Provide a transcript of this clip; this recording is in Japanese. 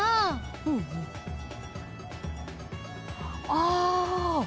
ああ！